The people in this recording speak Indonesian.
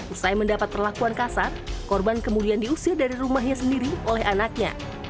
usai mendapat perlakuan kasar korban kemudian diusir dari rumahnya sendiri oleh anaknya